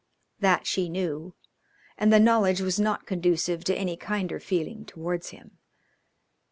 That she knew, and the knowledge was not conducive to any kinder feeling towards him.